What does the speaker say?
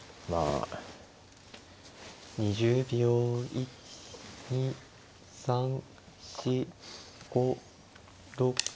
１２３４５６。